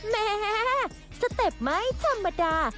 แม่สเต็ปไม่ธรรมดา